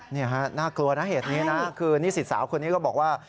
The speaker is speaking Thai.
นี่ฮะน่ากลัวนะเหตุนี้นะคือนิสิตสาวคนนี้ก็บอกว่า